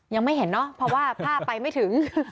ยังไม่เห็นเนาะเพราะว่าภาพไปไม่ถึง